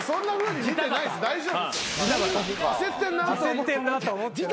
焦ってんなとは思ってない。